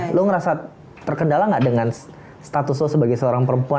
lo ngerasa terkendala nggak dengan status lo sebagai seorang perempuan